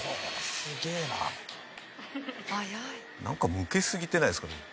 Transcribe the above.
なんかむけすぎてないですか？